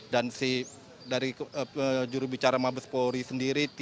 si dari jurubicara mabes polri sendiri